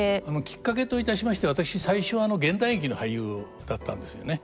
きっかけといたしまして私最初は現代劇の俳優だったんですよね。